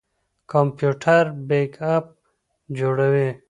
کمپيوټر بیک اپ جوړوي.